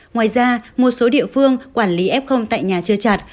ngoài ra một số địa phương quản lý f tại nhà chưa chặt